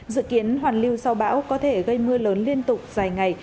dự kiến hoàn lưu sau bão có thể gây mưa lớn liên tục dài ngày